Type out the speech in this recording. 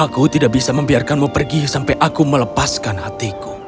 aku tidak bisa membiarkanmu pergi sampai aku melepaskan hatiku